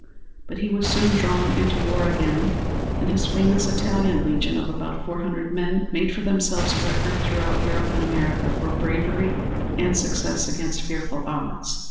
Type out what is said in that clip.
But he was soon drawn into war again, and his famous "Italian Legion," of about four hundred men, made for themselves a record throughout Europe and America for bravery and success against fearful odds.